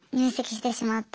してしまった。